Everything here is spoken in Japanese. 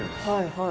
はい